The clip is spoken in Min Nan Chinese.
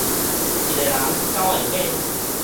一个人，九个尾